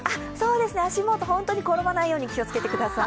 足元、本当に転ばないように気をつけてください。